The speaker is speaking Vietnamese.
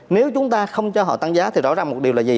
nếu chúng ta không cho họ tăng giá thì rõ ràng một điều là gì